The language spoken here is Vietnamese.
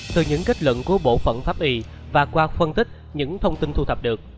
từ những kết luận của bộ phận pháp y và qua phân tích những thông tin thu thập được